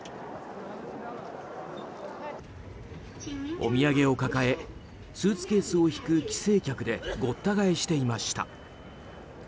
お土産を抱えスーツケースを引く帰省客でごった返していました。